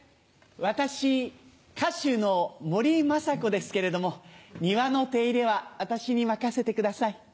私歌手の森昌子ですけれども庭の手入れは私に任せてください。